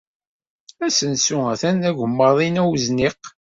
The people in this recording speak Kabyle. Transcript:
Asensu atan agemmaḍ-inna i wezniq.